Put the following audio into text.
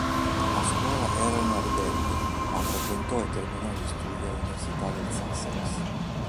A scuola era una "ribelle", ma frequentò e terminò gli studi all'Università del Sussex.